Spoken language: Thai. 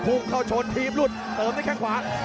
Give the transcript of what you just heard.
พุธเข้าโชนทีฟลุดโดดในข้างขวาสักหน่อย